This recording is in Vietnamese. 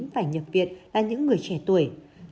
phải nhập viện là những người trẻ tuổi